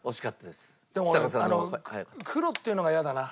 でも俺黒っていうのが嫌だな。